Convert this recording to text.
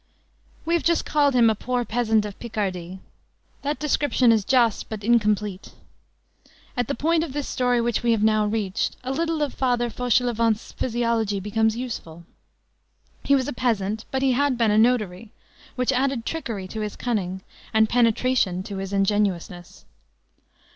We have just called him a poor peasant of Picardy. That description is just, but incomplete. At the point of this story which we have now reached, a little of Father Fauchelevent's physiology becomes useful. He was a peasant, but he had been a notary, which added trickery to his cunning, and penetration to his ingenuousness.